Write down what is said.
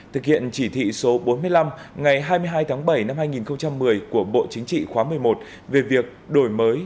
thực hiện chỉ thị số bốn mươi năm ngày hai mươi hai tháng bảy năm hai nghìn một mươi của bộ chính trị khóa một mươi một về việc đổi mới